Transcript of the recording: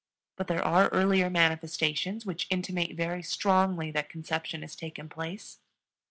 But there are earlier manifestations which intimate very strongly that conception has taken place.